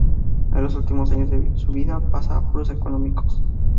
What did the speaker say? En los últimos años de su vida pasa apuros económicos.